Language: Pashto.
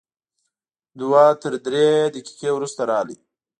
دوه تر درې دقیقې وروسته راغی.